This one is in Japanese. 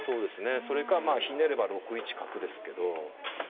それかまあひねれば６一角ですけど。